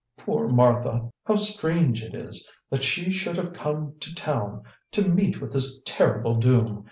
"Poor Martha, how strange it is that she should have come to town to meet with this terrible doom!